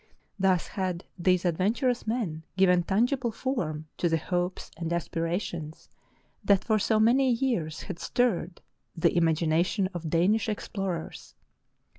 Thus had these advent urous men given tangible form to the hopes and as pirations that for so many years had stirred the im agination of Danish explorers.